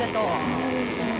そうですよね。